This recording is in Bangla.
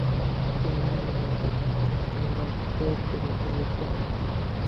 তিনি নিয়মিতভাবে নীলকরদের বিরুদ্ধে লিখতে থাকেন ।